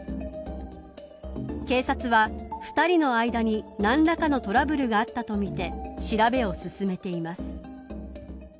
警察は、２人の間に何らかのトラブルがあったとみて調べを進めています。